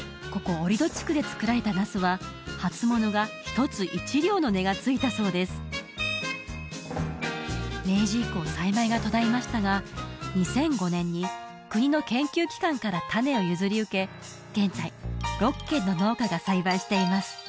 ここ折戸地区で作られたなすは初物が１つ１両の値が付いたそうです明治以降栽培が途絶えましたが２００５年に国の研究機関から種を譲り受け現在６軒の農家が栽培しています